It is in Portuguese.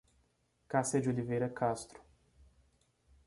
Cassia de Oliveira Castro